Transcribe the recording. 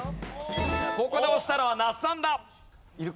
ここで押したのは那須さんだ。